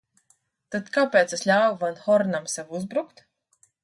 Tad kāpēc es ļāvu van Hornam sev uzbrukt?